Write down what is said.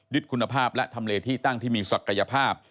คุณภาพและทำเลที่ตั้งที่มีศักยภาพ